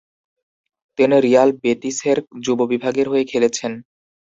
তিনি রিয়াল বেতিসের যুব বিভাগের হয়ে খেলেছেন।